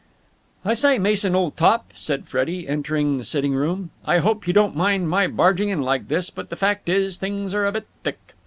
II "I say, Mason, old top," said Freddie, entering the sitting room, "I hope you don't mind my barging in like this, but the fact is things are a bit thick.